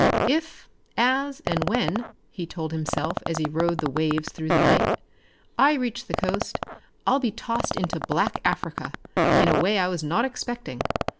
"If, as, and when," he told himself as he rode the waves through the night, "I reach the coast I'll be tossed into black Africa in a way I was not expecting.